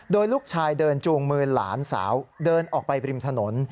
โดยลูกชายเดินจูงมือหลานสาวเดินออกไปริมถนน